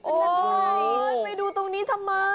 โอ้ยไปดูตรงนี้ทำไม